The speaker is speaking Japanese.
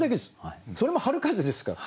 それも春風ですから。